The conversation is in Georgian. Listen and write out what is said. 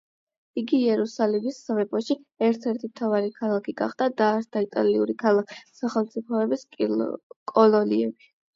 იგი იერუსალიმის სამეფოში ერთ-ერთი მთავარი ქალაქი გახდა, დაარსდა იტალიური ქალაქ-სახელმწიფოების კოლონიები.